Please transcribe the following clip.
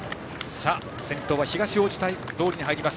先頭は東大路通に入ります。